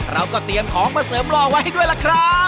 แล้วก็เตียงของมาเสริมรอไว้ให้ด้วยล่ะครับ